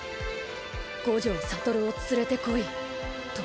「五条悟を連れてこい」と。